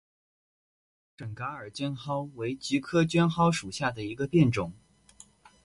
准噶尔绢蒿为菊科绢蒿属下的一个变种。